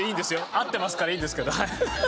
合ってますからいいんですけどはい。